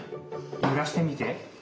ゆらしてみて。